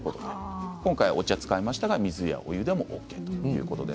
今回お茶を使いましたが水やお湯でもＯＫです。